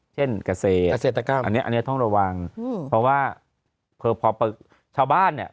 เช่นเกษตรกรรมอันเนี่ยต้องระวังเพราะว่าเฉลี่ยชาวบ้านเนี่ย